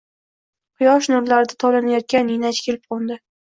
Quyosh nurlarida tovlanayotgan ninachi kelib qo’ndi.